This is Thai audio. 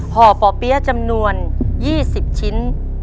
ห่อป่อเปี๊ยะจำนวน๒๐ชิ้น